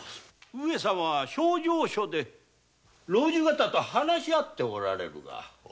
上様は評定所で老中方と話し合っておられるが。